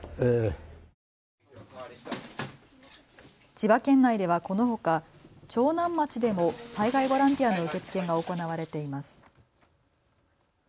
千葉県内ではこのほか長南町でも災害ボランティアの受け付けが行われています。